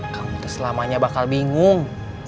kamu selamanya bakal bingung